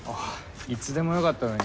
いつでもよかったのに。